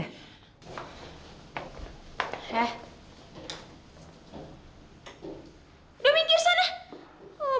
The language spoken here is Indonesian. udah minggir sana